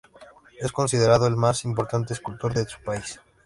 Es considerado el más importante escultor de su país.